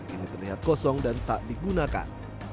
ini terlihat kosong dan tak digunakan